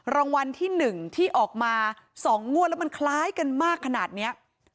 รางวัลที่๑ที่ออกมา๒งวดแล้วมันคล้ายกันมากขนาดนี้